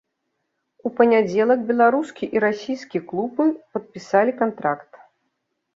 У панядзелак беларускі і расійскі клубы падпісалі кантракт.